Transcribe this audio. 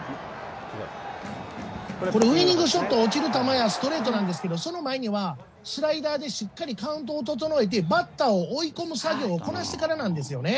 ウイニングショット、落ちる球やストレートなんですけど、その前には、スライダーでしっかりカウントを整えて、バッターを追い込む作業をこなしてからなんですよね。